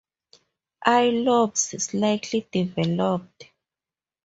Eye lobes slightly developed.